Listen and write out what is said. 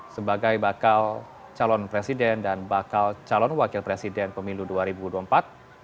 sebagai bakal calon presiden dan bakal calon wakil presiden pemilu dua juta